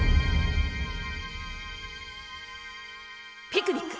ピクニック。